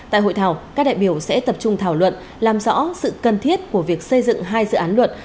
tại hội thảo các đại biểu sẽ tập trung thảo luận làm rõ sự cần thiết của việc xây dựng hai dự án luật